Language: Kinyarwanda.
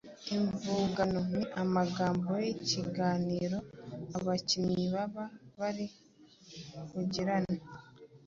Imvugano: Ni amagambo y’ikiganiro abakinnyi baba bari bugirane.